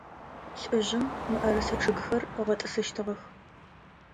Лӏыжъым мыӏэрысэ чъыгхэр ыгъэтӏысыщтыгъэх.